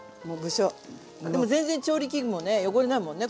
でも全然調理器具もね汚れないもんね